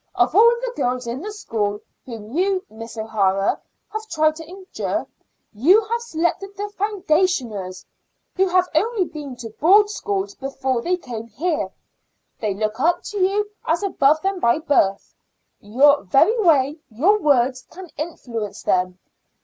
Of all the girls in the school whom you, Miss O'Hara, have tried to injure, you have selected the foundationers, who have only been to Board schools before they came here. They look up to you as above them by birth; your very way, your words, can influence them.